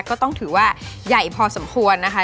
ก็ต้องถือว่าใหญ่พอสมควรนะคะ